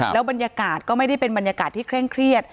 แล้วบรรยากาศก็ไม่ได้เป็นบรรยากาศที่เคร่งเครียด